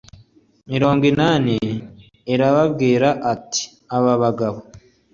mirongo inani arababwira ati Aba bagabo